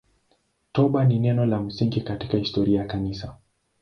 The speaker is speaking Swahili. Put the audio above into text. Toba ni neno la msingi katika historia ya Kanisa.